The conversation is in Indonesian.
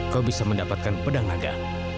kau bisa mendapatkan pedang naga